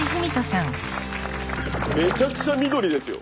めちゃくちゃ緑ですよ。